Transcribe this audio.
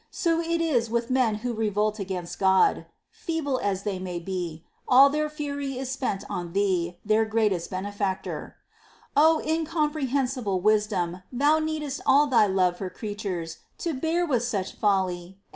So it is with men who revolt against God : feeble as they may be, all their fury is spent on Thee, their greatest Benefactor. 3. O incomprehensible Wisdom ! Thou needest all Thy love for creatures, to bear with such folly, and to 1 Müner, etc., Excl. XII.